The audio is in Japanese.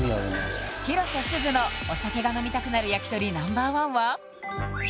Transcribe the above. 広瀬すずのお酒が飲みたくなる焼き鳥Ｎｏ．１は？